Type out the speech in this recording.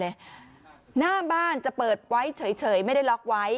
หน้าบ้านจะเปิดไว้เฉยไม่ได้ล็อกไว้